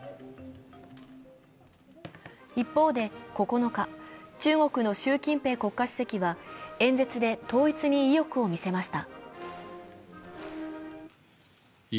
一方で９日、中国の習近平国家主席は演説で統一に意欲を見せました。